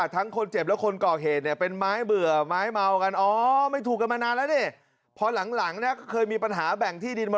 ต้องจำเนินคดีอย่างเดียวเลย